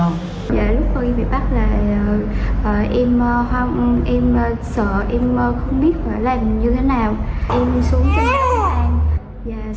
em xuống tỉnh đắk lạc